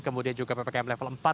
kemudian juga ppkm level empat